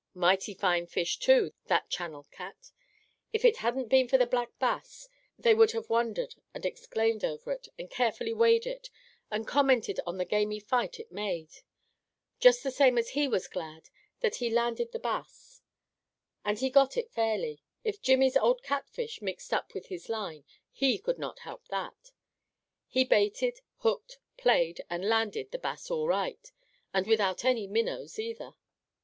Mighty fine fish, too, that channel cat! If it hadn't been for the Black Bass, they would have wondered and exclaimed over it, and carefully weighed it, and commented on the gamy fight it made. Just the same he was glad, that he landed the Bass. And he got it fairly. If Jimmy's old catfish mixed up with his line, he could not help that. He baited, hooked, played, and landed the Bass all right, and without any minnows either.